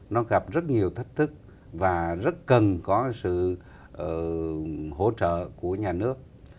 nó gặp rất nhiều thách thức và rất cần có sự hỗ trợ của nhà nước